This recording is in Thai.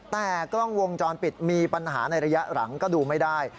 แต่กล้องวงจรปิดมีปัญหาในระยะหลังก็ดูไม่ได้